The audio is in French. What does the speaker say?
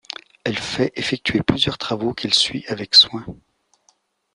Elle fait effectuer plusieurs travaux qu'elle suit avec soin.